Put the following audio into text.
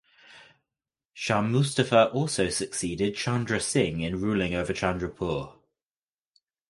Shah Mustafa also succeeded Chandra Singh in ruling over Chandrapur.